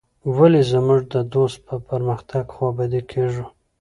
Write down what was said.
ولي موږ د دوست په پرمختګ خوابدي کيږو.